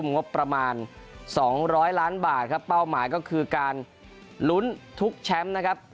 งบประมาณ๒๐๐ล้านบาทครับเป้าหมายก็คือการลุ้นทุกแชมป์นะครับ